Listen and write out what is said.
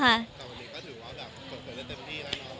แต่วันนี้ก็ถือว่าแบบเกิดเป็นเต็มที่แล้วอย่างนี้